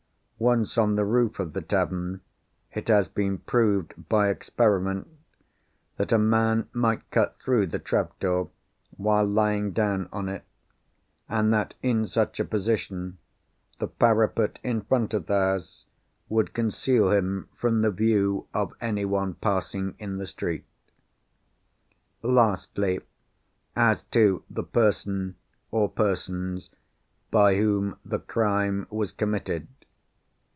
Once on the roof of the tavern, it has been proved, by experiment, that a man might cut through the trap door, while lying down on it, and that in such a position, the parapet in front of the house would conceal him from the view of anyone passing in the street. Lastly, as to the person, or persons, by whom the crime was committed.